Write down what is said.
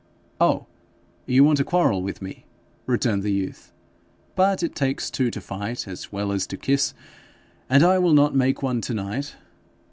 'Oh, you want to quarrel with me!' returned the youth. 'But it takes two to fight as well as to kiss, and I will not make one to night.